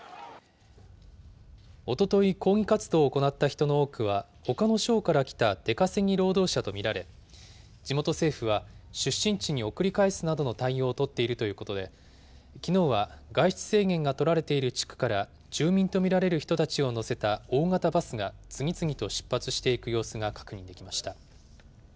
おととい、抗議活動を行った人の多くは、ほかの省から来た出稼ぎ労働者と見られ、地元政府は出身地に送り返すなどの対応を取っているということで、きのうは外出制限が取られている地区から、住民と見られる人たちを乗せた大型バスが、次々と出発していく様子が確認できました。